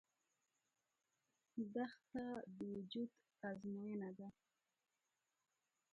دښته د وجود ازموینه ده.